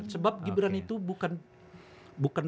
sebab gibran itu bukan